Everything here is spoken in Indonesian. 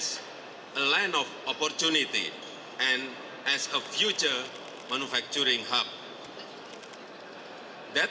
sebuah lantai kesempatan dan sebagai hub pengembangan masa depan